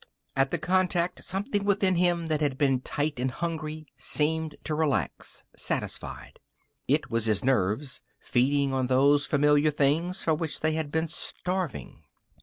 At the contact something within him that had been tight and hungry seemed to relax, satisfied. It was his nerves, feeding on those familiar things for which they had been starving.